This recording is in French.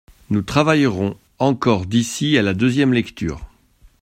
Nous travaillerons encore d’ici à la deuxième lecture.